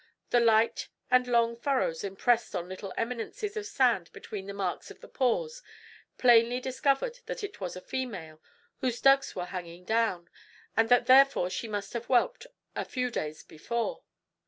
The light and long furrows impressed on little eminences of sand between the marks of the paws plainly discovered that it was a female, whose dugs were hanging down, and that therefore she must have whelped a few days before.